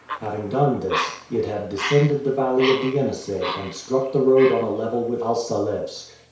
Having done this, it had descended the valley of the Yenisei and struck the road on a level with Alsalevsk.